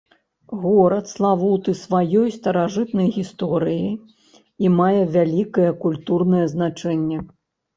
Горад славуты сваёй старажытнай гісторыяй і мае вялікае культурнае значэнне.